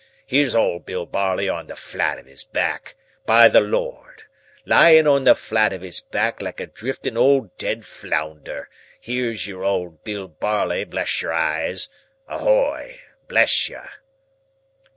Here's old Bill Barley on the flat of his back, by the Lord. Lying on the flat of his back like a drifting old dead flounder, here's your old Bill Barley, bless your eyes. Ahoy! Bless you."